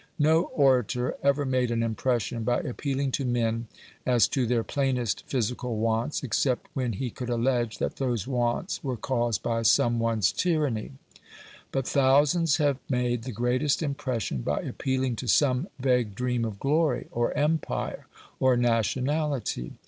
No orator ever made an impression by appealing to men as to their plainest physical wants, except when he could allege that those wants were caused by some one's tyranny. But thousands have made the greatest impression by appealing to some vague dream of glory, or empire, or nationality.